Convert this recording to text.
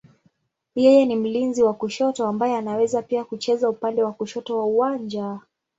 Yeye ni mlinzi wa kushoto ambaye anaweza pia kucheza upande wa kushoto wa uwanja.